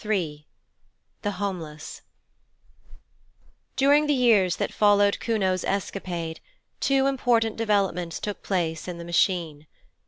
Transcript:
III THE HOMELESS During the years that followed Kuno's escapade, two important developments took place in the Machine.